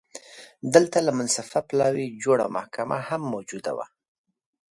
دلته له منصفه پلاوي جوړه محکمه هم موجوده وه